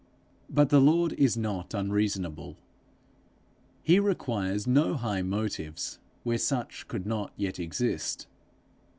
But the Lord is not unreasonable; he requires no high motives where such could not yet exist.